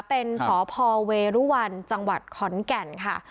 เป็นสพเวรุวันจังหวัดขอนแก่นค่ะ